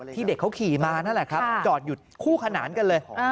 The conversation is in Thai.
เด็กเขาขี่มานั่นแหละครับจอดอยู่คู่ขนานกันเลย